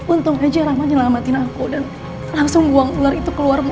untung aja rama nyelamatin aku dan langsung buang ular itu keluar mobil